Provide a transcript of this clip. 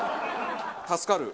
助かる。